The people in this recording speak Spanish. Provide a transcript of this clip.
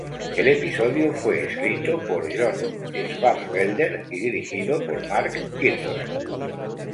El episodio fue escrito por John Swartzwelder y dirigido por Mark Kirkland.